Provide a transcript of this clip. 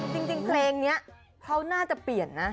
จริงเพลงนี้เขาน่าจะเปลี่ยนนะ